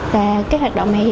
và cái hoạt động này